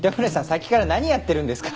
さっきから何やってるんですか？